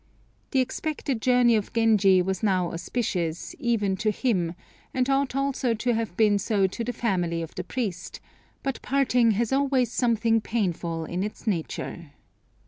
The expected journey of Genji was now auspicious, even to him, and ought also to have been so to the family of the priest, but parting has always something painful in its nature.